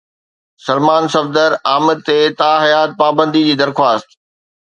سلمان صفدر عامر تي تاحيات پابندي جي درخواست